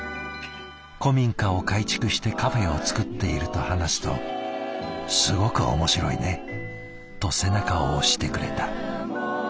「古民家を改築してカフェを作っている」と話すと「すごく面白いね」と背中を押してくれた。